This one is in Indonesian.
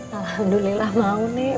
alhamdulillah mau nek